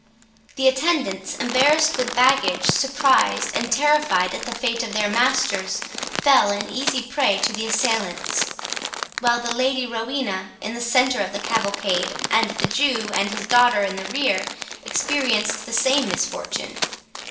The attendants, embarrassed with baggage, surprised and terrified at the fate of their masters, fell an easy prey to the assailants; while the Lady Rowena, in the centre of the cavalcade, and the Jew and his daughter in the rear, experienced the same misfortune.